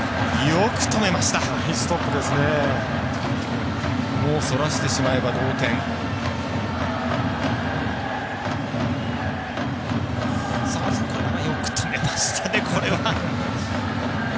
よく止めましたね、これは。